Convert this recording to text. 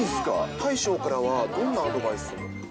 大将からはどんなアドバイスを？